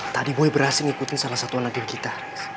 tadi boy berhasil ngikutin salah satu anaknya kita